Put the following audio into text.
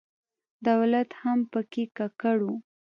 دولت هم په کې ککړ و.